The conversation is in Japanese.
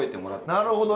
なるほど。